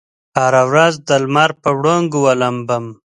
هره ورځ دلمر په وړانګو ولامبم